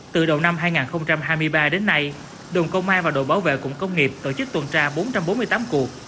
từ đầu năm hai nghìn hai mươi ba đến nay đồn công an và đội bảo vệ cụng công nghiệp tổ chức tuần tra bốn trăm bốn mươi tám cuộc